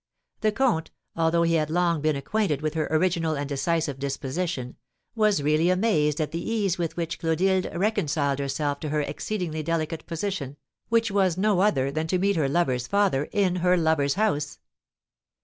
The comte, although he had long been acquainted with her original and decisive disposition, was really amazed at the ease with which Clotilde reconciled herself to her exceedingly delicate position, which was no other than to meet her lover's father in her lover's house.